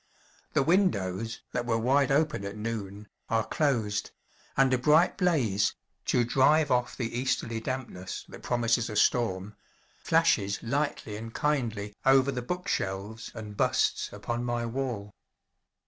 The windows, that were wide open at noon, are closed; and a bright blaze to drive off the easterly dampness that promises a storm flashes lightly and kindly over the book shelves and busts upon my wall.